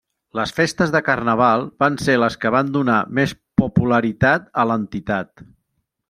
Les festes de Carnaval van ser les que van donar més popularitat a l'entitat.